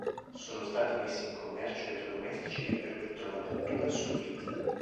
Sono stati messi in commercio elettrodomestici che permettono la cottura sous-vide.